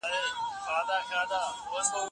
که موضوع سمه ونه څېړل سي نو نتیجه نه ورکوي.